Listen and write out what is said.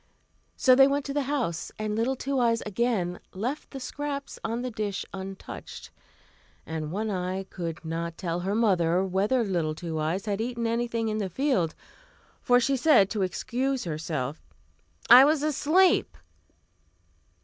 So they went to the house, and little Two Eyes again left the scraps on the dish untouched, and One Eye could not tell her mother whether little Two Eyes had eaten anything in the field; for she said to excuse herself, "I was asleep."